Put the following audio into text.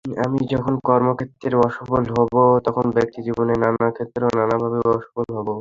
আমি যখন কর্মক্ষেত্রে অসফল হব, তখন ব্যক্তিজীবনের নানা ক্ষেত্রেও নানাভাবে অসফল হব।